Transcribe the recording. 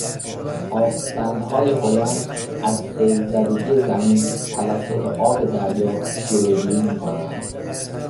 آببندهای هلند ازسیلزدگی زمین توسط آب دریا جلوگیری میکنند.